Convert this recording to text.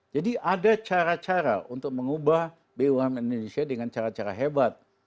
jadi ada cara cara untuk mengubah bum indonesia dengan cara cara hebat